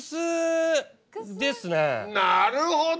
なるほど！